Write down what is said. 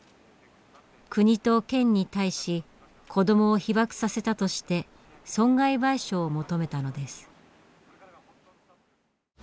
国と県に対し子どもを被ばくさせたとして損害賠償を求めたのです。